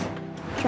bisa sampai lagi yuk